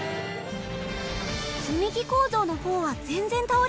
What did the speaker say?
積み木構造の方は全然倒れそうにないですね。